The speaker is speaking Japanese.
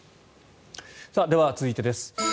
では、続いてです。